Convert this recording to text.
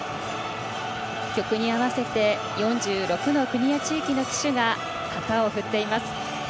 曲に合わせて４６の国や地域の旗手が旗を振っています。